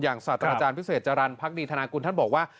ศาสตราจารย์พิเศษจรรย์พักดีธนากุลท่านบอกว่า